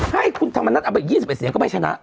ห้าคุณทำเรนัดเอาไปอีก๒๑เสียงก็ไม่ชนะ